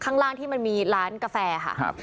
ข้างล่างที่มีร้านกาแฟค่ะ